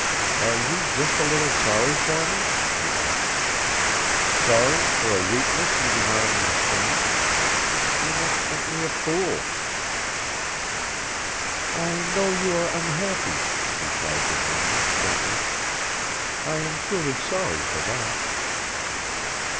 "Are you just a little sorry for me?" he asked. "Sorry for a weakness you do not understand? You must think me a fool." "I know you are unhappy," replied Virginia, gently. "I am truly sorry for that."